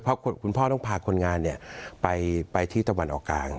เพราะคุณพ่อต้องพาคนงานไปที่ตะวันออกกลาง